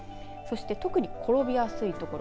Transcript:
そして特に転びやすい所